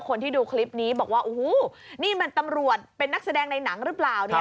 คนที่ดูคลิปนี้บอกว่าโอ้โหนี่มันตำรวจเป็นนักแสดงในหนังหรือเปล่าเนี่ย